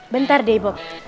bentar deh bob